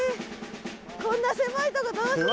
こんな狭いとこどうする！？